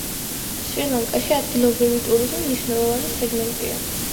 შრი-ლანკაში ადგილობრივი ტურიზმი მნიშვნელოვანი სეგმენტია.